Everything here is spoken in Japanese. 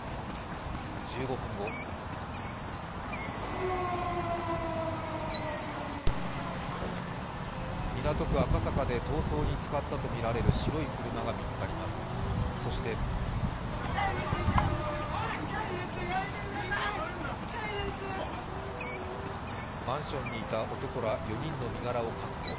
１５分後港区赤坂で逃走に使ったとみられる白い車が見つかります、そしてマンションにいた男ら４人の身柄を確保。